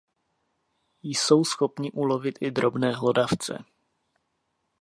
Jsou schopni ulovit i drobné hlodavce.